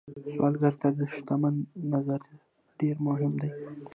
سوالګر ته د شتمن نظر ډېر مهم دی